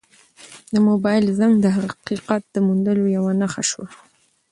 د موبایل زنګ د حقیقت د موندلو یوه نښه شوه.